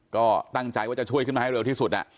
ก็ตั้งใจว่าจะช่วยขึ้นมาให้เร็วที่สุด